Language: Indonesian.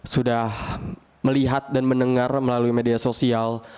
sudah melihat dan mendengar melalui media sosial